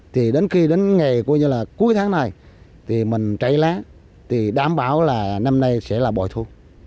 thì đến khi đến nghề coi như là cuối tháng này thì mình chảy lá thì đảm bảo là năm nay sẽ là bội thu